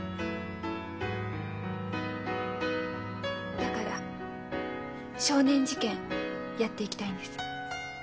だから少年事件やっていきたいんです。